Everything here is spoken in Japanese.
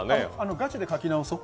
ガチで書き直そう。